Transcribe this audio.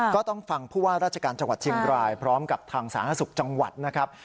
ก็ต้องฟังผู้ว่าราชการจังหวัดเชียงบรายพร้อมกับทางสาธารณสุขจังหวัดนะครับ